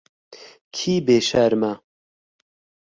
Kî bêşerm e?